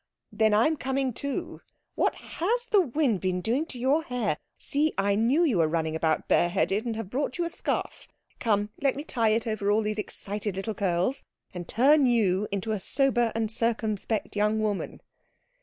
"Then I am coming too. What has the wind been doing to your hair? See, I knew you were running about bare headed, and have brought you a scarf. Come, let me tie it over all these excited little curls, and turn you into a sober and circumspect young woman."